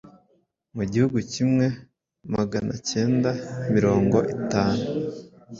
mu gihumbi kimwe maganakenda mirongo itanu